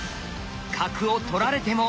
角を取られても。